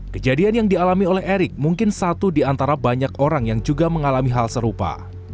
kejadian yang dialami oleh erick mungkin satu di antara banyak orang yang juga mengalami hal serupa